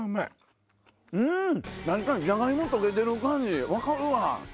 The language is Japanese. じゃがいも溶けてる感じ分かるわ。